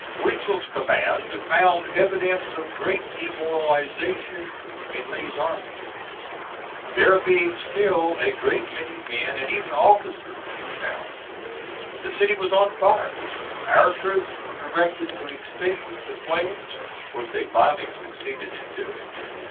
Weitzel's command found evidence of great demoralization in Lee's army, there being still a great many men and even officers in the town. The city was on fire. Our troops were directed to extinguish the flames, which they finally succeeded in doing.